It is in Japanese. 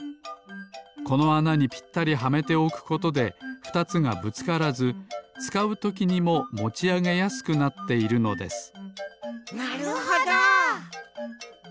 このあなにぴったりはめておくことで２つがぶつからずつかうときにももちあげやすくなっているのですなるほど。